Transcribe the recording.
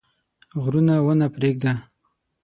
غرونه ونه پرېږده.